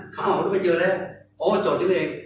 ห้าวรถไปเจอแล้วโอ้จอดอยู่นั่นเอง